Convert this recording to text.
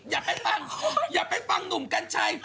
อย่าไปฟังอย่าไปฟังหนุ่มกัญชัย